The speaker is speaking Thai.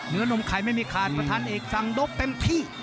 นมไข่ไม่มีขาดประธานเอกสั่งนกเต็มที่